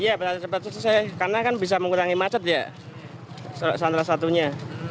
iya bisa cepat selesai karena bisa mengurangi macet ya